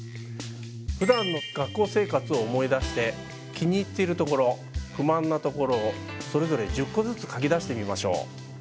ふだんの学校生活を思い出して気に入っている所不満な所をそれぞれ１０個ずつ書き出してみましょう。